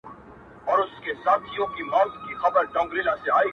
o مه وکې ها منډه، چي دي کونه سي بربنډه.